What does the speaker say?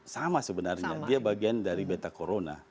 sama sebenarnya dia bagian dari beta corona